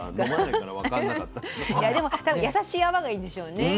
いやでも多分やさしい泡がいいんでしょうね。